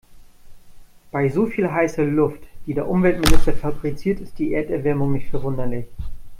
Bei so viel heißer Luft, die der Umweltminister fabriziert, ist die Erderwärmung nicht verwunderlich.